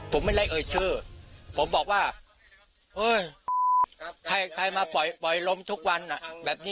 ผมไม่ได้เอ่ยชื่อผมบอกว่าเฮ้ยใครมาปล่อยลมทุกวันแบบนี้